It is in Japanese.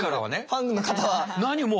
ファンの方は。